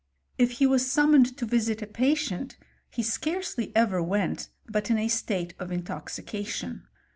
If he was summoned to visit a patient, he scarcely ever went but in a state of in toxication.